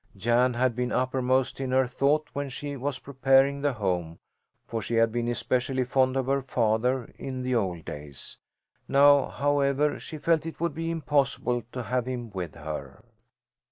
Jan had been uppermost in her thought when she was preparing the home, for she had been especially fond of her father in the old days. Now, however, she felt it would be impossible to have him with her.